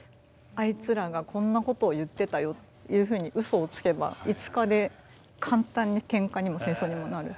「あいつらがこんなことを言ってたよ」というふうにウソをつけば５日で簡単にケンカにも戦争にもなる。